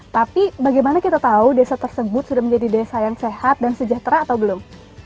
tapi bagaimana kita tahu desa tersebut sudah menjadi desa yang sehat dan sejahtera atau belum